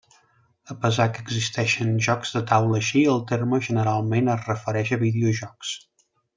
A pesar que existeixen jocs de taula així, el terme generalment es refereix a videojocs.